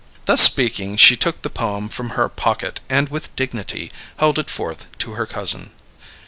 Thus speaking, she took the poem from her pocket and with dignity held it forth to her cousin.